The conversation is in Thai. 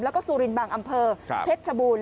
แล้วก็สุรินบางอำเภอเพชรชบูรณ